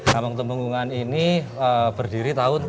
kampung temenggungan ini berdiri tahun seribu tujuh ratus tujuh puluh empat